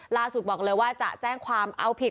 บอกเลยว่าจะแจ้งความเอาผิด